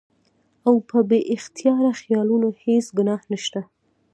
او پۀ بې اختياره خيالونو هېڅ ګناه نشته